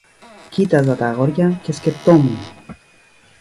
Κοίταζα τ' αγόρια και σκέπτουμουν